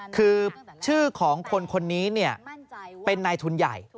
คือชื่อของคนคนนี้เป็นนายทุนใหญ่